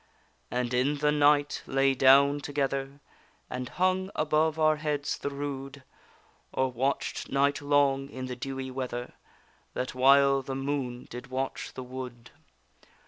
And in the night lay down together, And hung above our heads the rood, Or watch'd night long in the dewy weather, The while the moon did watch the wood.